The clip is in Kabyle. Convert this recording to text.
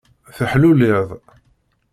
Teḥluliḍ.